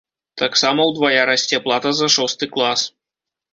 Таксама ўдвая расце плата за шосты клас.